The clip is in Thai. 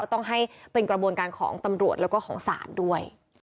ต้องให้เป็นกระบวนการของตำรวจแล้วก็ของศาลด้วย